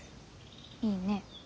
いいね。